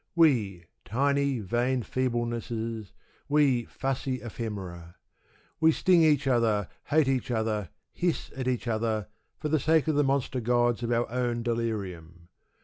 We tiny, vain feeblenesses, we fussy ephemera; we sting each other, hate each other, hiss at each other, for the sake of the monster gods of our own delirium.